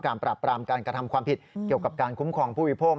ปราบปรามการกระทำความผิดเกี่ยวกับการคุ้มครองผู้บริโภค